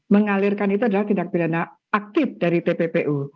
mengalirkan itu adalah tindak pidana aktif dari tppu